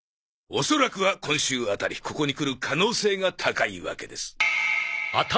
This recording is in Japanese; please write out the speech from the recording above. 恐らくは今週あたりここに来る可能性が高いわけです。